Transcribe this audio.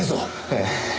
ええ。